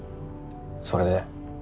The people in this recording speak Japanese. それで？